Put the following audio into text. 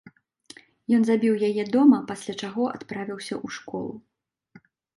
Ён забіў яе дома, пасля чаго адправіўся ў школу.